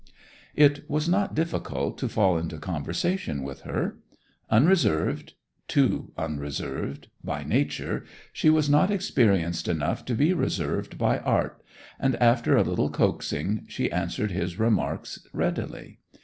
It was not difficult to fall into conversation with her. Unreserved—too unreserved—by nature, she was not experienced enough to be reserved by art, and after a little coaxing she answered his remarks readily.